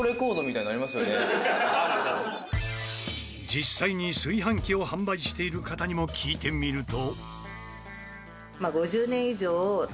実際に炊飯器を販売している方にも聞いてみると。